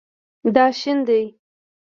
دا شین دی